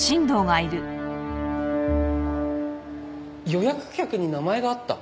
予約客に名前があった？